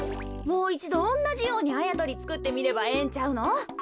もういちどおんなじようにあやとりつくってみればええんちゃうの？